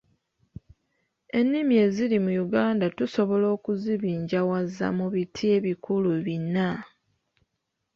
Ennimi eziri mu Uganda tusobola okuzibinjawaza mu biti ebikulu bina.